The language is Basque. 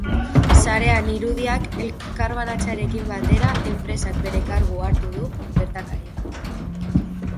Sarean irudiak elkarbanatzearekin batera, enpresak bere kargu hartu du gertakaria.